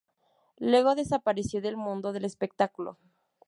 Luego desapareció del mundo del espectáculo.